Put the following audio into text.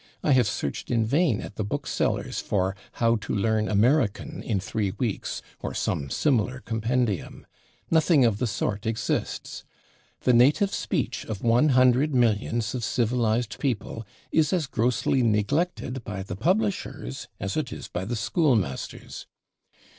I have searched in vain at the book sellers for "How to Learn American in Three Weeks" or some similar compendium. Nothing of the sort exists. The native speech of one hundred millions of civilized people is as grossly neglected by the publishers as it is by the schoolmasters.